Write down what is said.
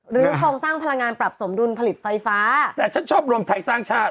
โครงสร้างพลังงานปรับสมดุลผลิตไฟฟ้าแต่ฉันชอบรวมไทยสร้างชาติ